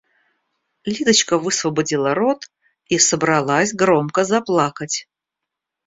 Лидочка высвободила рот и собралась громко заплакать.